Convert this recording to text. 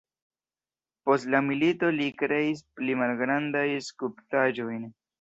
Post la milito li kreis pli malgrandajn skulptaĵojn.